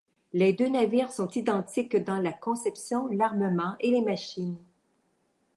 Les deux navires sont identiques dans la conception, l'armement et les machines.